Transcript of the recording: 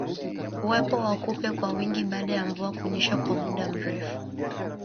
Uwepo wa kupe kwa wingi baada ya mvua kunyesha kwa muda mrefu